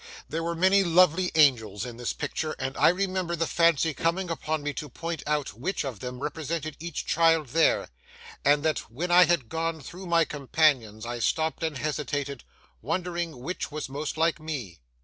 There were many lovely angels in this picture, and I remember the fancy coming upon me to point out which of them represented each child there, and that when I had gone through my companions, I stopped and hesitated, wondering which was most like me.